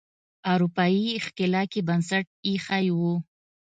اروپایي ښکېلاک یې بنسټ ایښی و.